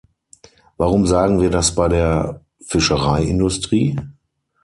Warum sagen wir das bei der Fischereiindustrie?